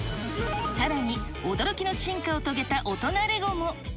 さらに、驚きの進化を遂げた大人レゴも。